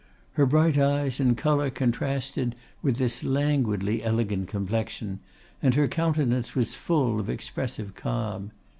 Her bright eyes and color contrasted with this languidly elegant complexion, and her countenance was full of expressive calm.